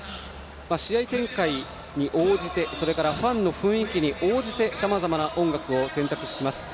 試合展開に応じてファンの雰囲気に応じてさまざまな音楽を選択します。